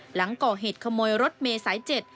หลังก่อเหตุขโมยรถเมฆสายเจ็ด